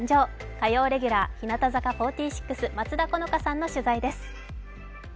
火曜レギュラー、日向坂４６松田好花さんの取材です。